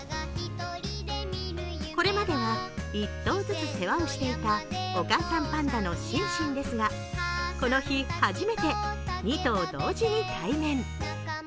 これまでは１頭ずつ世話をしていたお母さんパンダのシンシンですがこの日、初めて２頭同時に対面。